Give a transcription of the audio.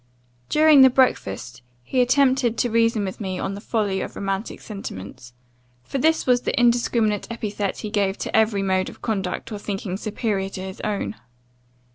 "During the breakfast, he attempted to reason with me on the folly of romantic sentiments; for this was the indiscriminate epithet he gave to every mode of conduct or thinking superior to his own.